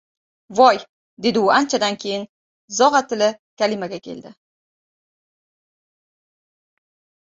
— Voy, — dedi u anchadan keyin zo‘g‘a tili kalimaga kelib.